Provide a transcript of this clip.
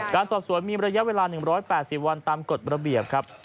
การสอบสวนมีระยะเวลา๑๘๐วันตามกฎระเบียบครับ